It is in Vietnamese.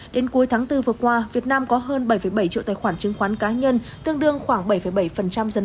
đến cuối tháng bốn vừa qua việt nam có hơn bảy bảy triệu tài khoản chứng khoán cá nhân tương đương khoảng bảy bảy dân số